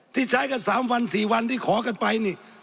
ที่ใช้กันสามวันสี่วันที่ขอกันไป